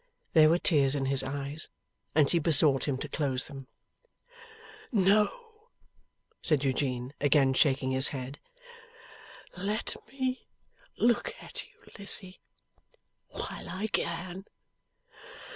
There were tears in his eyes, and she besought him to close them. 'No,' said Eugene, again shaking his head; 'let me look at you, Lizzie, while I can.